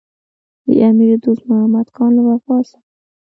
د امیر دوست محمدخان له وفات څخه.